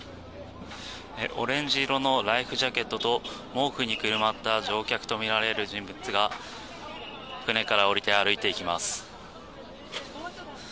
オレンジ色のライフジャケットと毛布にくるまった乗客とみられる人物が船から降りて歩いていきます。